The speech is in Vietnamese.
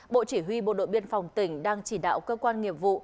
bộ chỉ huy bộ đội biên phòng tỉnh đang chỉ đạo cơ quan nghiệp vụ